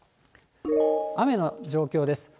雨の状況です。